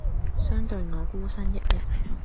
相對我孤身一人